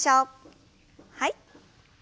はい。